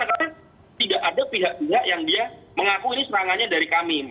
karena tidak ada pihak pihak yang dia mengaku ini serangannya dari kami